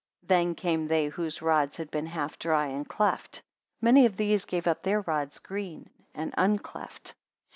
Then came they whose rods had been half dry, and cleft: many of these gave up their rods green, and uncleft.